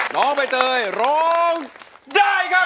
น้องใบเตยร้องได้ครับ